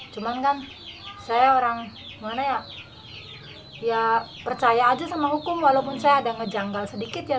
cuman kan saya orang mana ya percaya aja sama hukum walaupun saya ada ngejanggal sedikit ya